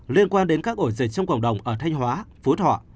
liên quan đến các ổ dịch trong cộng đồng ở thanh hóa phú thọ